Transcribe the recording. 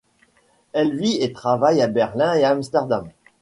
Elle vit et travaille à Berlin et à Amsterdam.